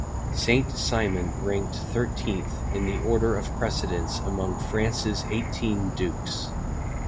Saint-Simon ranked thirteenth in the order of precedence among France's eighteen dukes.